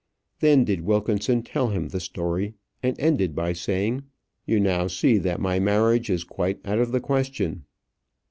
Then did Wilkinson tell him the story, and ended by saying "You now see that my marriage is quite out of the question."